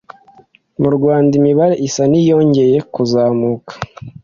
mu Rwanda, imibare isa n’iyongeye kuzamuka,